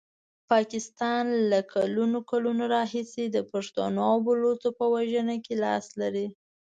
پاکستان له کلونو کلونو راهیسي د پښتنو او بلوڅو په وژنه کې لاس لري.